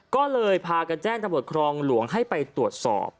ก็เลยพากันแจ้งตำรวจครองหลวงให้ไปตรวจสอบ